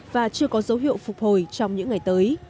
và chưa có dấu hiệu phục hồi trong những ngày tới